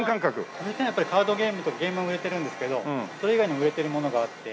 カードゲームとゲームは売れてるんですけどそれ以外にも売れているものがあって。